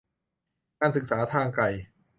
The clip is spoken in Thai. การศึกษาทางไกล